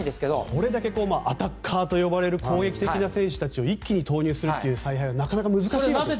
これだけアタッカーと呼ばれる攻撃的な選手を一気に投入する采配はなかなか難しいんですね。